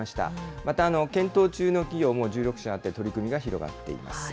また検討中の企業も１６社あって、取り組みが広がっています。